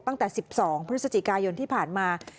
ตั้งแต่๑๒พฤศจิกายนที่ผ่านมา